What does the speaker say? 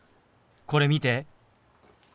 これ見て。